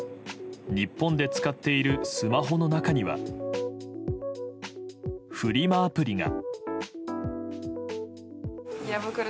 日本で使っているスマホの中にはフリマアプリが。